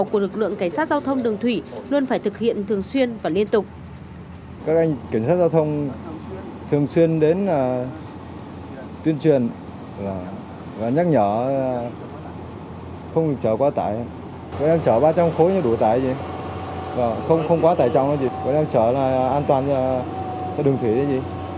các anh kiểm soát giao thông thường xuyên đến tuyên truyền nhắc nhở không chở quá tải chở ba trăm linh khối đủ tải không quá tải trong chở an toàn đường thủy